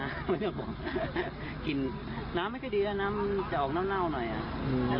น้ำไม่ได้บอกน้ำไม่ใช่ดีน้ำจะออกเน่าหน่อย